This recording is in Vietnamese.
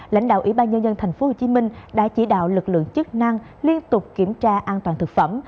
lãnh đạo ủy ban nhân dân tp hcm đã chỉ đạo lực lượng chức năng liên tục kiểm tra an toàn thực phẩm